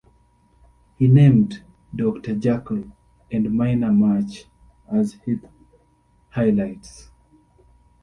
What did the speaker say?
He named "Doctor Jackle" and "Minor March" as his highlights.